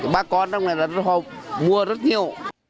bà con trong này mua rất nhiều